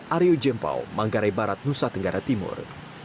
aryo jempol manggarai barat nusa tenggara timur